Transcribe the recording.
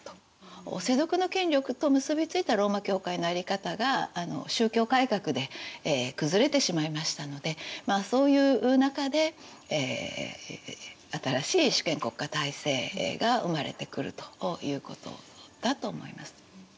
世俗の権力と結びついたローマ教会のあり方が宗教改革で崩れてしまいましたのでそういう中で新しい主権国家体制が生まれてくるということだと思います。